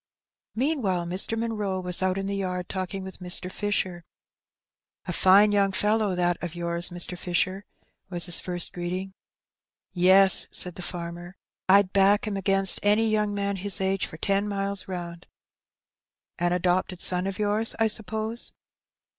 Meanwhile Mr. Munroe was out in the yard talking with Mr. Fisher. ''A fine young fellow that of yours, Mr. Fisher/' was his first greeting. ^^Yes/' said the farmer; '^Fd back him against any young man his age for ten miles round." *' An adopted son of yours, I suppose